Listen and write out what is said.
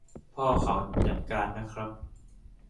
พ่อเขาจัดการน่ะครับ